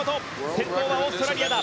先頭はオーストラリアだ。